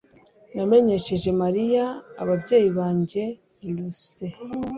Namenyesheje Mariya ababyeyi banjye russell